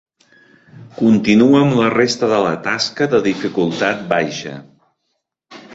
Continua amb la resta de la tasca de dificultat baixa.